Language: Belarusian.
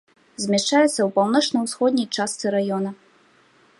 Змяшчаецца ў паўночна-ўсходняй частцы раёна.